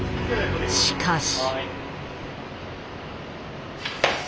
しかし。